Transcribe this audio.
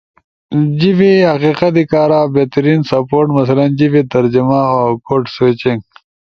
جیبے ھقیقت کارا بہترین سپورٹ مثلاً جیبے ترجمہ اؤ کوڈ سوئچنگ